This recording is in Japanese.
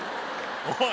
おい！